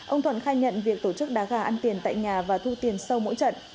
ông thuận khai nhận việc tổ chức đá gà ăn tiền tại nhà và thu tiền sau mỗi trận